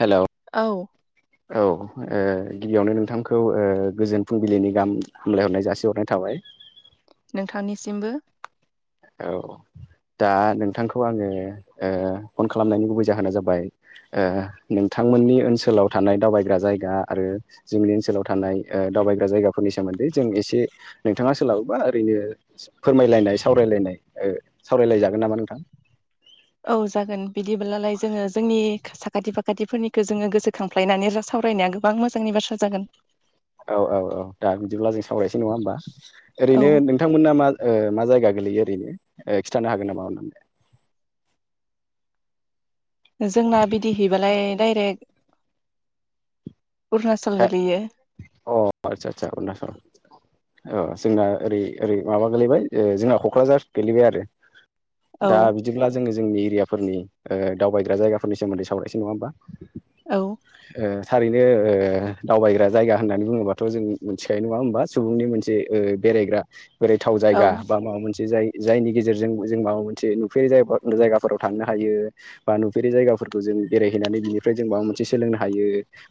Hello औ [inaudible] औ ओ गिबियावनो नोंथांखौ ओ गोजोन फुंबिलिनि गाहाम हामलायहरनाय जासिहरनाय थाबाय नोंथांनिसिमबो औ दा नोंथांखौ आङो ओ फन खालामनायनि गुबै जाहोना जाबाय ओ नोंथांमोननि ओनसोलाव थानाय दावबायग्रा जायगा आरो जोंनि ओनसोलाव थानाय ओ दावबायग्रा जायगाफोरनि सोमोन्दै जों एसे नोंथाङा सोलाबोबा ओरैनो फोरमायलायनाय सावरायलायनाय ओ सावरायलायजागोन नामा नोंथां? औ जागोन बिदिब्लालाय जोङो जोंनि साखाथि फाखा थिफोरनिखौ जोङो गोसोखांफ्लायनानै सावरायनाया गोबां मोजांनि बाथ्रा जागोन। औ औ औ दा बिदिब्ला जों सावरायसै नङा होमबा ओरैनो औ नों नोंथांमोना मा ओ मा जायगा गोलैयो ओरैनो ओ खिन्थानो हागोन नामा अननानै। जोंना बिदि हैबालाय डायरेक्ट अरुनाचल गोलैयो। अ आतसा आतसा अरुणासल अ जोंना ओरै ओरै माबा गोलैबाय ओ जोंना कक्राझार गोलैबाय आरो औ दा बि दिब्ला जोङो जोंनि एरियाफोरनि ओ दावबायग्रा जायगाफोरनि सोमोन्दै सावरायसै नङा होमबा? औ ओ थारैनो ओ दावबायग्रा जायगा होननानै बुङोब्लाथ' जों मोनथिखायो नङा होमबा सुबुंनि मोनसे ओ बेरायग्रा बोरायथाव औ जायगा बा माबा मोनसे जाय जायनि गेजेरजों जों माबा मोनसे नुफेरै जायगाफोर जायगाफोराव थांनो हायो। बा नुफेरै जायगाफोरखौ जों बेरायहैनानै बिनिफ्राय जों माबा मोनसे सोलोंनो हायो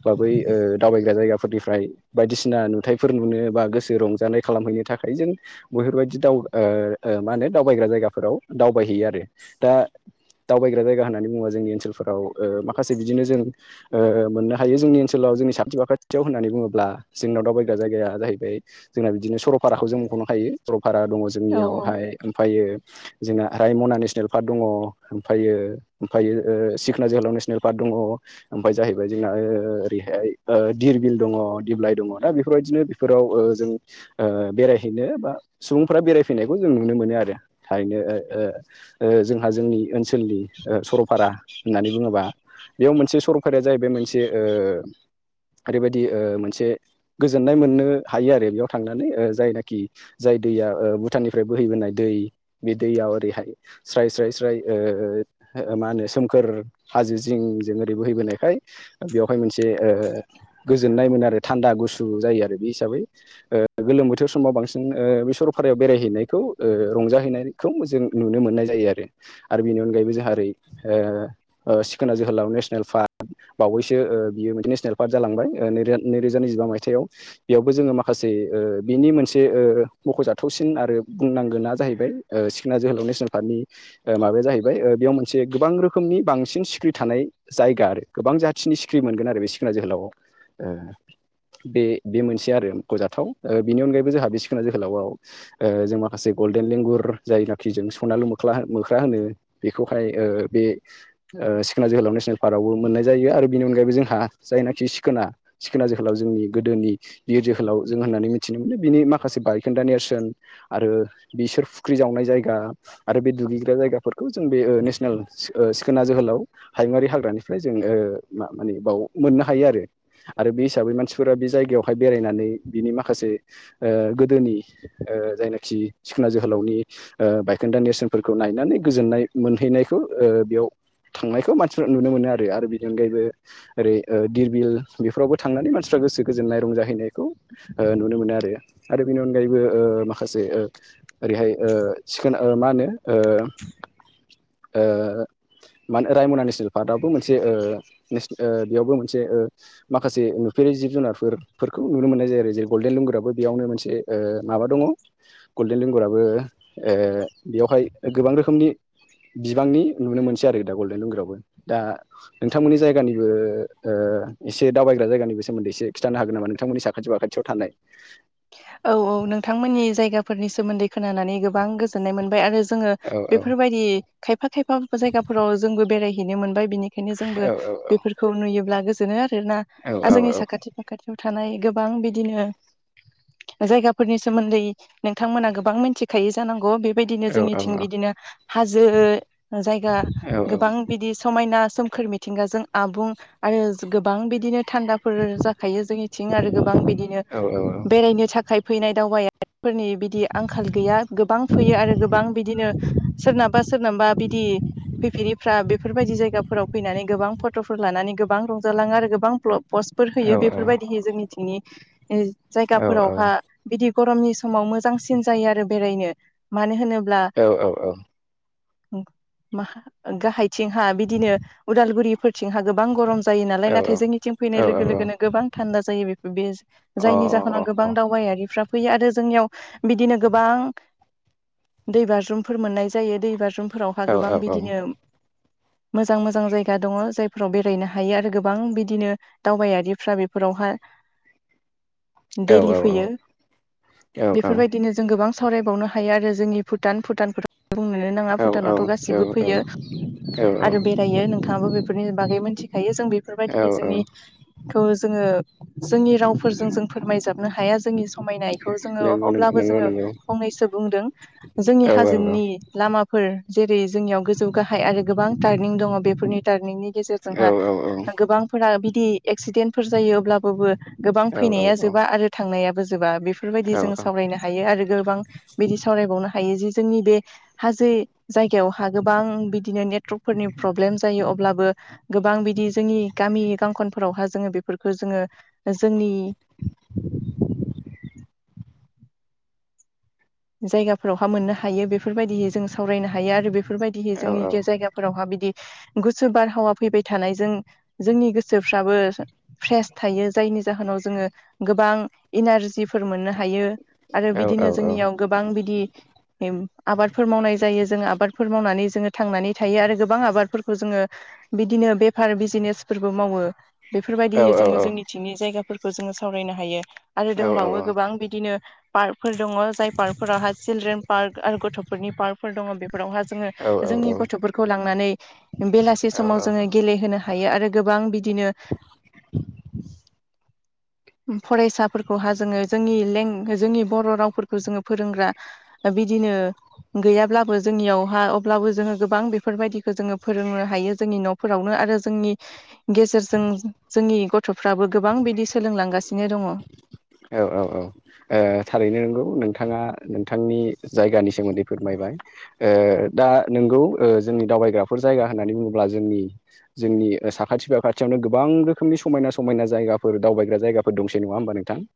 बा बै ओ दावबायग्रा जायगाफोरनिफ्राय बायदिसिना नुथाइफोर नुनो बा गोसो रंजानाय खालामहैनो थाखाय जों बेफोरबायदि दाव ओ ओ मा होनो दावबायग्रा जायगाफोराव दावबायहैयो आरो। दा दावबायग्रा जायगा होन्नानै बुङोबा जोंनि ओनसोलफोराव ओ माखासे बिदिनो जों ओ ओ मोननो हायो जोंनि ओनसोलाव जोंनि सा खाथि [unintelligible] होन्नानै बुङोब्ला जोंनाव दावबायग्रा जायगाया जाहैबाय जोंना बिदिनो सरलपाराखौ जों मखनो हायो सरलपारा दङ' औ जोंनियावहाय ओमफ्रायो जोंना रायमना नेसनेल पार्क दङ ओमफायो ओमफायो सिखना जोहोलाव नेसनेल पार्क दङ', ओमफाय जाहैबाय जोंना ओरैहाय ओ धिरबिल दङ', दिप्लाइ दङ दा बेफोरबायदिनो बेफोराव ओ जों ओ बेरायहैनो बा सुबुंफोरा बेरायफैनायखौ जों नुनो मोनो आरो थारैनो ओ ओ जोंहा जोंनि ओनसोलनि सरलपारा होननानै बुङोबा बेयाव मोनसे सरलफाराया जाहैबाय मोनसे ओ ओरैबायदि ओ मोनसे गोजोननाय मोननो हायो आरो बेयाव थांनानै ओ जायनाखि जाय दैया ओ भुटाननिफ्राय बोहैबोनाय दै बे दैयाव ओरैहाय स्राइ स्राय स्राइ ओ मा होनो सोमखोर हाजो जिं जों ओरै बोहैबोनायखाय बेवहाय मोनसे ओ गोजोननाय मोनो आरो थान्दा गुसु जायो आरो बे हिसाबै ओ गोलोम बोथोर समाव बांसिन ओ बे सरलपारायाव बेरायहैनायखौ ओ रंजाहैनाय खौ जों नुनो मोननाय जायो आरो। आरो बिनि अनगायैबो जाहा ओरै ओ ओ सिखोना जोहोलाव नेसनेल पार्क बावैसो ओ बियो मोनसे नेसनेल पार्क जालांबाय ओ नैरोजा नैजिबा मायथाइयाव। बेयावबो जोङो माखासे ओ बिनि मोनसे ओ मखजाथावसिन आरो बुंनांगोना जाहैबाय ओ सिखना जोहोलाव नेसनेल पार्कनि माबाया जाहैबाय बेयाव मोनसे गोबां रोखोमनि बांसिन सिख्रि थानाय जायगा आरो। गोबां जाथिनि सिखिरि मोनगोन आरो बे सिखना जोहोलावाव ओ बे बे मोनसे आरो गजाथाव बिनि अनगायैबो जोंहा बि सिखोना जोहोलावआव ओ जों माखासे गल्डेन लेंगुर जायनाखि जों सनालु मोख्रा होनो बेखौहाय बे सिखना जोहोलाव नेसनेल पार्कआवबो मोननाय जायो आरो बेनि अनगायैबो जोंहा जायनाखि सिखोना सिखोना जोखोलाव जोंनि गोदोनि बियो जोहोलाव जों होननानै मिथिनो मोनो बिनि माखासे बायखोन्दा नेरसोन आरो बिसोर फुख्रि जावनाय जायगा आरो बे दुगैग्रा जायगाफोरखौ जों बे ओ नेसनेल ओ सि सिखोना जोहोलाव हायुङारि हाग्रानिफ्राय जों ओ म मानिे बाव मोननो हायो आरो। आरो बे हिसाबै मानसिफोरा बे जायगायावहाय बेरायनानै बिनि माखासे ओ गोदोनि ओ जायनाखि सिखना जोहोलावनि ओ बायखोन्दा नेरसोनफोरखौ नायनानै गोजोननाय मोनहैनायखौ ओ बेयाव थांनायखौ मानसिफ्रा नुनो मोनो आरो। आरो बेनि अनगायैबो ओरै ओ धीरबिल बेफोरावबो थांनानै मानसिफ्रा गोसो गोजोननाय रंजाहैनायखौ ओ नुनो मोनो आरो। आरो बेनि अनगायैबो ओ माखासे ओ ओरैहाय ओ सिखोन ओ मा होनो ओ ओ मान रायमना नेसनेल पार्कआवबो मोनसे ओ नेस ओ बेयावबो मोनसे ओ माखासे नुफेरै जिब जुनारफोर फोरफोरखौ नुनो मोननाय जायो आरो जेरै गल्डेन लुंगुराबो बेयावनो मोनसे ओ माबा दङ गल्डेन लेंगराबो ओ बेयावहाय गोबां रोखोमनि बिबांनि नुनो मोनसै आरो दा गल्डेन लुंगुरावबो। दा नोंथांमोननि जायगानि ओ ओ एसे दावबायग्रा जायगानिबो सोमोन्दै एसे खिन्थानो हागोन नामा नोंथांमोननि साखाथि बाखाथियाव थानाय। [unintelligible] औ औ। नोंथांमोननि जायगाफोरनि सोमोन्दै खोनानानै गोबां गोजोननाय मोनबाय आरो जोङो औ औ बेफोरबायदि खायफा खायफा जायगाफोराव जोंबो बेरायहैनो मोनबाय बिनि यनो औ जोंबो बेफोरखौ नुयोब्ला गोजोनो आरोना। औ जोंनि औ साखाथि फाखाथि खाथियाव थानाय गोबां बिदिनो जायगाफोरनि सोमोन्दै नोंथांमोना गोबां मिथि खायो जानांगौ बेबायदिनो औ औ जोंनिथिं बिदिनो हाजो जायगा औ गोबां बिदि समायना सोमखोर मिथिंगाजों आबुं आरो गोबां बिदिनो थान्दा फोर जाखायो जोंनिथिं आरो गोबां बिदिनो औ बेरायनो थाखाय फैनाय दावबायफोरनि बिदि आंखाल गैया। गोबां फैयो आरो गोबां बिदिनो सोरनाबा सोरनाबा बिदि फैफेरिफ्रा बेफोरबायदि जायगाफोराव फैनानै गोबां फ फट'फोर लानानै गोबां रंजालाङो आरो गोबां पस्टफोर औ होयो बेफोरबायदिहै जोंनिथिंनि जायगाफोरावहा बिदि गरमनि समाव मोजांसिन जायो आरो बेरायनो। मानो होनोब्ला गाहायथिंहा बिदिनो उदालगुरिफोरथिंहा गोबां गरम ज जायो नालाय नाथाय जोंनिथिं फैनाय लोगो लोगोनो गोबां थान्दा जायो जायनि जा होनाव गोबां दावबायारिफ्रा फैयो आरो जोंनियाव बिदिनो गोबां दै बाज्रुमफोर मोननाय जायो दै बाज्रुमफोरावहा गोबां औ औ अ बिदिनो मोजां मोजां जायगा दङ जायफोराव बेरायनो हायो आरो गोबां बिदिनो दावबायारिफ्रा बेफोरावहा अ औ दैेलि औ फैयो। औ बेफोरबायदिनो जों गोबां सावरायबावनो हायो आरो जोंनि भुटान भुटान बुंनोनो नाङा भुटानावथ' औ गासिबो औ फैयो। आरो बे जायो नोंथाङाबो बेफोरनि बागै मोनथिखायो जों औ बेफोरबायदि औ जोंनि खौ जोङो जोंनि रावफोरजों जों फोरमायजाबनो हाया। जोंनि खामायनायखौ जोङो नंगौ अब्लाबो नंगौ जोङो नंगौ नंगौ फंनैसो बुंदों जोंनि औ हाजोनि लामाफोर जेरै जोंनियाव गोजौ गाहाय आरो गोबां टार्निं दङ बेफोरनि टार्निंनि औ गेजेरजोंहा औ गोबांफोरा बिदि एक्सिडेन्टफोर जायो अब्लाबोबो गोबां औ औ फैनाया जोबा आरो थांनायाबो जोबा। बेफोरबायदि जों सावरायनो हायो आरो गोबां बिदि सावरायबावनो हायो जे जोंनि बे हाजो जायगायावहा गोबां बिदिनो नेटवर्कफोरनि प्रब्लेम जायो अब्लाबो गोबां बिदि जोंनि गामि गांखनफोरावहा जोङो बेफोरखो जोङो जोंनि जायगाफोरावहा मोननो हायो बेफोरबायदिहै जों सावरायनो हायो आरो बेखौ बेफोरबायदिहै औ औ जोंनि जायगाफोरावहा बिदि गुसु बारहावा फैबाय थानायजों जोंनि गोसोफ्राबो फ्रेस थायो जायनि जाहोनाव जोङो गोबां इनारजिफोर मोननो हायो। आरो औ औ बिदिनो जोंनियाव गोबां बिदि एम आबाद फोर मावनाय जायो जोङो आबादफोर मावनानै जोङो थांनानै थायो आरो गोबां आबादफोरखौ जोङो बिदिनो बेफार बिजिनेसफोरबो मावो। औ बेफोरबायदिहै औ जोङो औ जोंनिथिंनि जायगाफोरखौ जोङो सावरायनो हायो। आरो दोंबावो औ गोबां बिदिनो पार्कफोर दङ जाय पार्कफोरावहाय सिलड्रेन पार्क आरो गथफोरनि पार्कफोर दङ बेफोरावहा जोङो जोंनि औ गथफोरखौ लांनानै बेलासि औ समाव औ जोङो गेलेहोनो हायो आरो गोबां बिदिनो फरायसाफोरखौहा जोङो जोंनि लें जोंनि बर रावफोरखौ जोङो फोरोंग्रा बिदिनो गैयाब्लाबो जोंनियावहा अब्लाबो जोङो गोबां बेफोरबायदिखो जोङो फोरोंनो हायो जोंनि न फोरावनो आरो जोंनि गेजेरजों जोंनि गथफ्राबो गोबां बिदि सोलोंलांगासिनो दङ। औ औ औ। ओ थारैनो नोंगौ नोंथाङा नोंथांनि जायगानि सोमोन्दै फोरमायबाय। ओ दा नोंगौ ओ जोंनि दावबायग्राफोर जायगा होननानै बुङोब्ला जोंनि जोंनि ओ साखाथिफोराव खाथियावनो गोबां रोखोमनि समायना समायना जायगाफोर दावबायग्रा जायगाफोर दंसै नङा होमबा नोंथां। ओ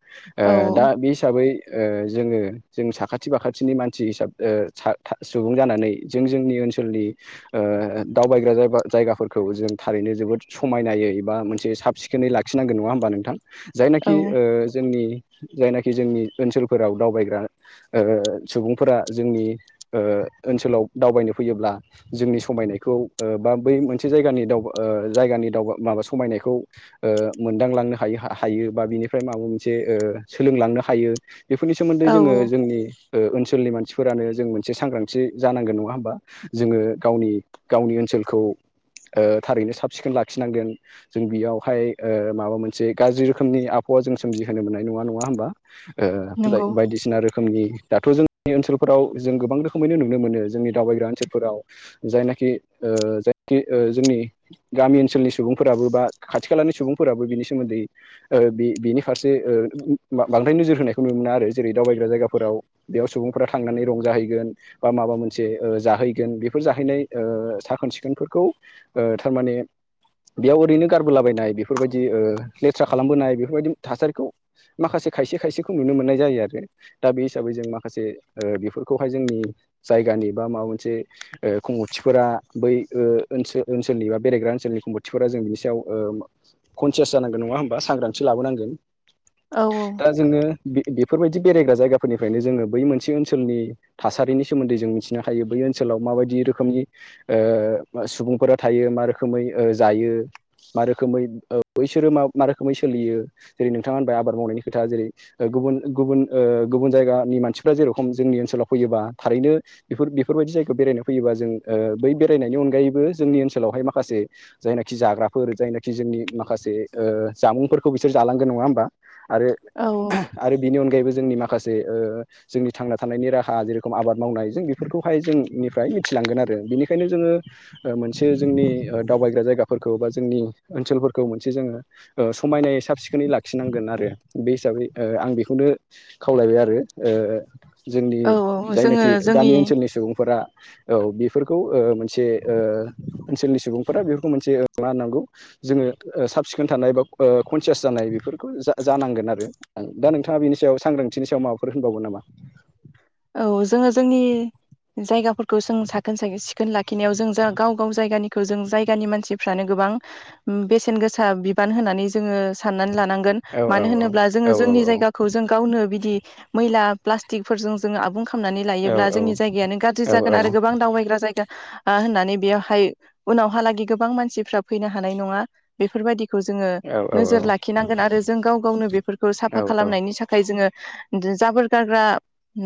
औ दा बे हिसाबै ओ जोङो जों साखाथि फाखाथिनि मानसि हिसाब ओ सा था सुबुं जानानै जों जोंनि ओनसोलनि ओ दावबायग्रा जायबा जायगाफोरखौ जों थारैनो जोबोद समायनायै एबा मोनसे साबसिख खोनै लाखिनांगोन नङा होमबा नोंथां? औ जायनाखि ओ जोंनि जायनाखि जोंनि ओनसोलफोराव दावबायग्रा ओ सुबुंफोरा जोंनि ओ ओनसोलाव दावबायनो फैयोब्ला जोंनि समायनायखौ ओ बा बै मोनसे जायगानि दावबा ओ जायगानि दावबा माबा समायनायखौ ओ मोनदांलांनो हायो हा हायो बा बिनिफ्राय माबा से ओ सोलोंलांनो हायो बेफोरनि सोमोन्दै औ जोङो औ जोंनि ओनसोलनि मानसिफोरानो जों मोनसे सांग्रांथि जानांगोन नङा होमबा? जोङो गावनि गावनि ओनसोलखौ ओ थारैनो साब सिखोन लाखिनांगोन। जों बेयावहाय माबा मोनसे गाज्रि रोखोमनि आबहावा जों सोमजिहोनो मोननाय नङा नङा होमबा ओ गाय नंगौ बायदिसिना रो खोमनि दाथ जोंनि ओनसोलफोराव जों गोबां रोखोमैनो नुनो मोनो जोंनि दावबायग्रा ओनसोलफोराव जायनाखि ओ जायखि जोंनि गामि ओनसोलनि सुबुंफोराबो बा खाथि खालानि सुबुंफोराबो बिनि सोमोन्दै ओ बि बिनि फारसे ओ बा बांद्राय नोजोर होनायखौ नुनो मोना आरो जेरै दावबायग्रा जायगाफोराव बेयाव सुबुंफ्रा थांनानै रंजाहैगोन। बा माबा मोनसे ओ जाहैगोन बेफोर जाहैनाय ओ साखोन सिखोनफोरखौ ओ थारमाने बेयाव ओरैनो गारबोलाबायनाय बेफोरबायदि ओ लेथ्रा खालामबोनाय बेफोरबायदि थासारिखौ माखासे खायसे खायसेखौ नुनो मोननाय जायो आरो। दा बे हिसाबै जों माखासे बेफोरखौहाय जोंनि जायगानि बा माबा मोनसे। खुंगथिफोरा बै ओ ओनसोलनि बा बेरायग्रा ओनसोलनि खुंगथिफोरा जों बिनि सायाव। कनसियास जानांगोन नङा होमबा सांग्रथि लाबोनांगोन। औ औ। दा जोङो बे बेफोरबायदि बेरायग्रा जायगाफोरनिफ्रायनो जोङो बै मोनसे ओनसोलनि थासारिनि सोमोन्दै जों मिथिनो हायो बै ओनसोलाव माबायदि रोखोमनि ओ सुबुंफोरा थायो मा रोखोमै जायो। मा रोखोमै ओ बैसोरो मा मा रोखोमै सोलियो जेरै नोंथाङा होनबाय आबाद मावनायनि खोथा जेरै ओ गुबुन गुबुन ओ गुबुन जायगानि मानसिफ्रा जेरेखम जोंनि ओनसोलाव फैयोबा थारैनो बेफोर बेफोरबायदि जायगायाव बेरायनो फैयोबा जों ओ बै बेरायनायनि अनगायैबो जोंनि ओनसोलावहाय माखासे जायनाखि जाग्राफोर जायनाखि जोंनि माखासे ओ जामुंफोरखौ बिसोर जालांगोन नङा होमबा आरो औ आरो बिनि अनगायैबो जोंनि माखासे ओ जोंनि थांना थानायनि राहा जेरेखम आबाद मावनाय जों बेफोरखौहाय जोंनिफ्राय मिथिलांगोन आरो बेनिखायनो जोङो मोनसे जोंनि दावबायग्रा जायगाफोरखौ बा जोंनि ओनसोलफोरखौ मोनसे जोङो ओ समायनाय साब सिखोन बेखौै लाखिनांगोन आरो बे हिसाबै आं बेखौनो खावलायबाय आरो ओ जोंनि औ औ जोङो जायनाखि गामि जोंनि ओनसोलनि सुबुंफोरा औ बेफोरखौ ओ मोनसे ओ ओनसोलनि सुबुंफोरा बेफोरखौ मोनसे ल होन नांगौ जोङो साब सिखोन थानाय बा कनसियास जानाय बेफोरखौ जा जानांगोन आरो आं दा नोंथाङा बेनि सायाव सांग्रांथिनि सायाव माबाफोर होनबावगोन नामा? औ जोङो जोंनि जायगाफोरखौ जों साखोन सिखोन लाखिनायाव जों जा गाव गाव जायगानिखौ जों जायगानि मानसिफ्रानो गोबां बेसेन गोसा बिबान होनानै जोङो साननानै लानांगोन औ मानो औ होनोब्ला जोङो औ जोंनि जायगाखौ जों गावनो बिदि मैला प्लाटि जो आबुं खालामनानै औ लायोब्ला जोंनि जायगायानो गाज्रि औ जागोन आरो गोबां दावबायग्रा जायगा होननानै बेयावहाय उनावहालागै गोबां मानसिफ्रा फैनो हानाय नङा बेफोरबायदि खौ जोङो औ नोजोर लाखिनांगोन आरो जों गाव गावनो बेफोरखौ साफा खालामनायनि सा थाखाय जोङो जाबोर गारग्रा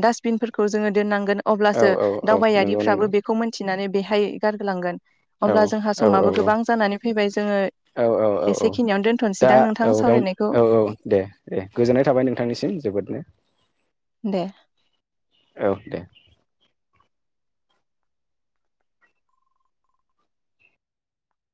डास्टबिनफोरखौ जोङो दोननांगोन औ अब्लासो औ औ नंगौ दावबायारिफ्राबो नंगौ बेखौ मोनथिनानै बेहाय गारगोलांगोन। औ अब्ला जोंहा औ समाबो औ गोबां जानानै फैबाय जोङो औ औ औ औ एसेखिनियावनो दोन्थ'सैदां नोंथां सावरायनायखौ? ए गोजोननाय थाबाय नोंथांनिसिम जोबोदनो। दे औ दे।